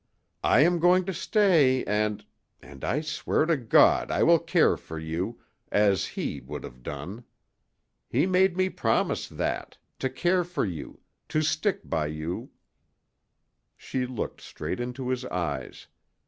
I am going to stay and and I swear to God I will care for you as he would have done. He made me promise that to care for you to stick by you " She looked straight into his eyes.